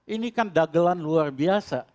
ini kan dagelan luar biasa